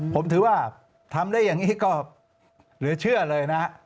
ผมถือว่าทำได้อย่างนี้ก็เหลือเชื่อเลยนะฮะ